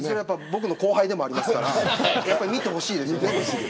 僕の後輩でもありますから見てほしいです。